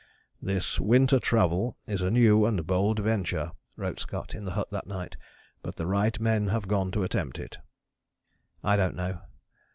"This winter travel is a new and bold venture," wrote Scott in the hut that night, "but the right men have gone to attempt it." I don't know.